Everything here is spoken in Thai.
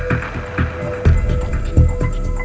และคิดว่าเธอโดนเหมือนกับแก